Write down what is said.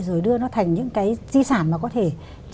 rồi đưa nó thành những cái di sản mà có thể trình diễn được